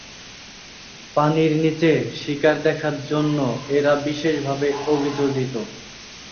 পানির নিচে শিকার দেখার জন্য এরা বিশেষভাবে অভিযোজিত।